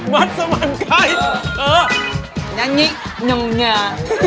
แม่งพริกลงเนื้อ